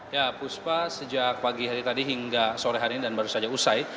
ya puspa sejak pagi hari tadi hingga sore hari ini dan baru saja usai